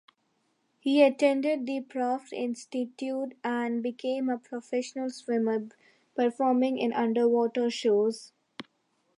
He attended the Pratt Institute, and became a professional swimmer, performing in underwater shows.